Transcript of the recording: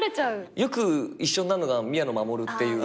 よく一緒になるのが宮野真守っていう。